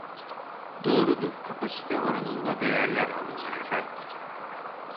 Doğrudur kapasite oranında değerler alınır efendim